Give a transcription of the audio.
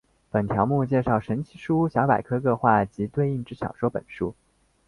本条目介绍神奇树屋小百科各话及对应之小说本数。